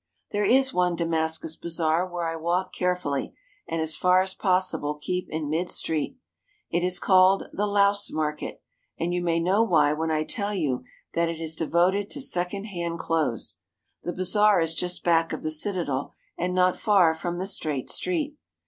There is one Damascus bazaar where I walk carefully, and as far as possible keep in midstreet. It is called the Louse Market, and you may know why when I tell you that it is devoted to second hand clothes. The bazaar is just back of the citadel and not far from the Straight Street.